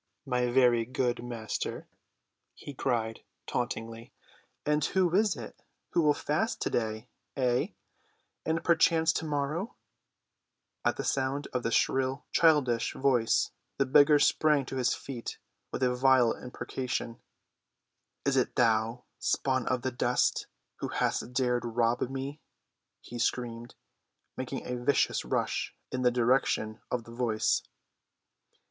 "Aha! my very good master," he cried tauntingly, "and who is it who will fast to‐day—ay, and perchance to‐morrow!" At sound of the shrill childish voice the beggar sprang to his feet with a vile imprecation. "Is it thou, spawn of the dust, who hast dared rob me?" he screamed, making a vicious rush in the direction of the voice.